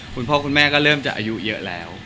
คุณพ่อคุณแม่ก็เริ่มจะอายุเยอะแล้ว